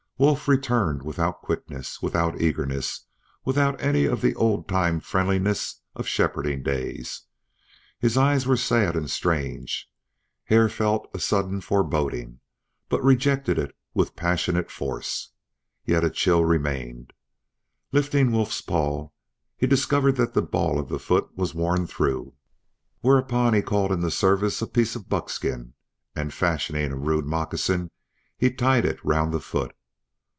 Wolf returned without quickness, without eagerness, without any of the old time friendliness of shepherding days. His eyes were sad and strange. Hare felt a sudden foreboding, but rejected it with passionate force. Yet a chill remained. Lifting Wolf's paw he discovered that the ball of the foot was worn through; whereupon he called into service a piece of buckskin, and fashioning a rude moccasin he tied it round the foot.